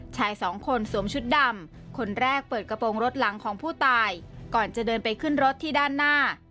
ชายสองคนสวมชุดดำคนแรกเปิดกระโปรงรถหลังของผู้ตายก่อนจะเดินไปขึ้นรถที่ด้านหน้า